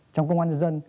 trong công an nhân dân